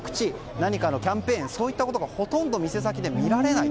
何かのキャンペーンといったことがほとんど店先で見られない。